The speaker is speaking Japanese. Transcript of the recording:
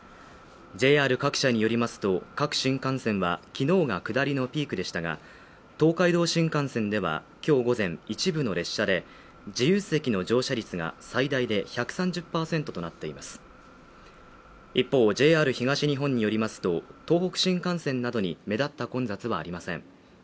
ＪＲ各社によりますと各新幹線はきのうが下りのピークでしたが東海道新幹線ではきょう午前一部の列車で自由席の乗車率が最大で１３０％となっています一方、ＪＲ東日本によりますと東北新幹線などに目立った混雑はありません